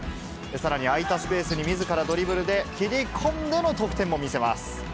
さらに空いたスペースにみずからドリブルで切り込んでの得点も見せます。